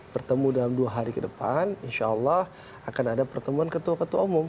bertemu dalam dua hari ke depan insya allah akan ada pertemuan ketua ketua umum